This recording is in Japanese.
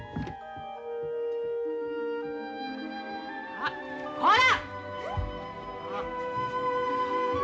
あっこら！